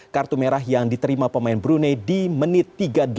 kartu merah yang diterima pemain brunei di menit tiga puluh delapan